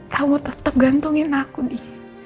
kamu tetep gantungin aku di